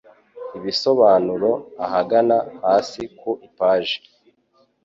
Ibisobanuro ahagana hasi ku ipaji